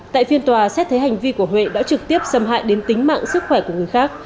tại phiên tòa xét thấy hành vi của huệ đã trực tiếp xâm hại đến tính mạng sức khỏe của người khác